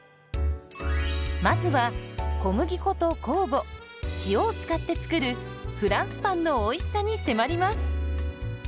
まずは小麦粉と酵母塩を使って作るフランスパンのおいしさに迫ります。